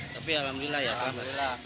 tapi alhamdulillah ya itu berhasil